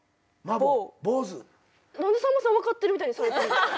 何でさんまさん分かってるみたいにされてるんですか？